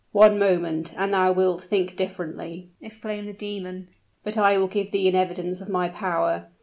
"One moment and thou wilt think differently!" exclaimed the demon. "But I will give thee an evidence of my power.